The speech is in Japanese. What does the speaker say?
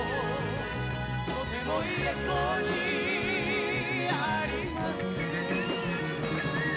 「とても言えそうにありません」